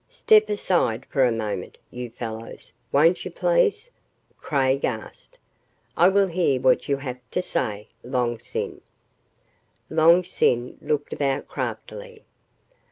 "Step aside for a moment, you fellows, won't you please," Craig asked. "I will hear what you have to say, Long Sin." Long Sin looked about craftily.